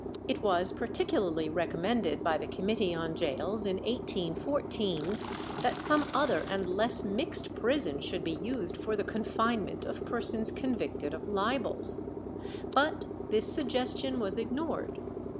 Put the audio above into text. It was particularly recommended by the Committee on Gaols in 1814 that some other and less mixed prison should be used for the confinement of persons convicted of libels. But this suggestion was ignored.